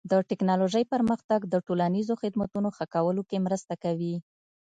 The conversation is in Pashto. د ټکنالوژۍ پرمختګ د ټولنیزو خدمتونو ښه کولو کې مرسته کوي.